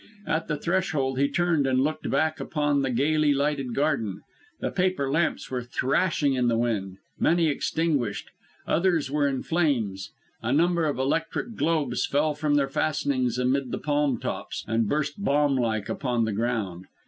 At the threshold, he turned and looked back upon the gaily lighted garden. The paper lamps were thrashing in the wind, many extinguished; others were in flames; a number of electric globes fell from their fastenings amid the palm tops, and burst bomb like upon the ground.